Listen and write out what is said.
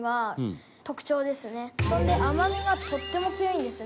そんで甘みがとっても強いんですね。